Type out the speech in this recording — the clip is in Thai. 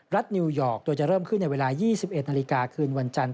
นิวยอร์กโดยจะเริ่มขึ้นในเวลา๒๑นาฬิกาคืนวันจันทร์